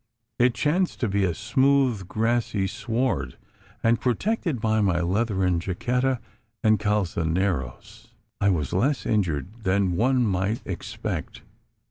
It chanced to be a smooth, grassy sward; and protected by my leathern jaqueta and calzoneros, I was less injured than one might expect.